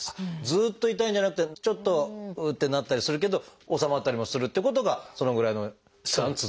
ずっと痛いんじゃなくてちょっと「うう」ってなったりするけど治まったりもするっていうことがそのぐらいの期間続く？